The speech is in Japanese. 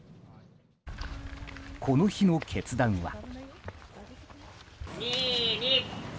この日の決断は。